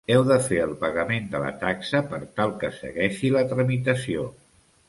Heu de fer el pagament de la taxa per tal que segueixi la tramitació.